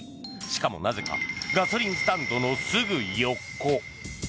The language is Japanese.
しかも、なぜかガソリンスタンドのすぐ横。